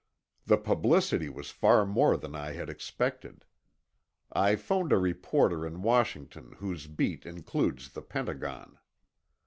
The publicity was far more than I had expected. I phoned a reporter in Washington whose beat includes the Pentagon.